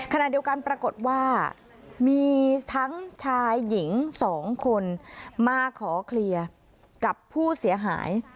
ขณะเดียวกันปรากฏว่ามีทั้งชายหญิง๒คนมาขอเคลียร์กับผู้เสียหาย